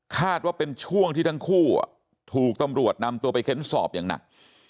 ว่าเป็นช่วงที่ทั้งคู่ถูกตำรวจนำตัวไปเค้นสอบอย่างหนัก